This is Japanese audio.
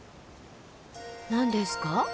何ですか？